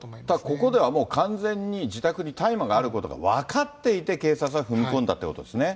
ここでは完全に自宅で大麻があることが分かっていて、警察は踏み込んだってことですね。